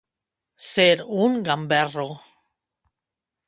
Ser un gamberro.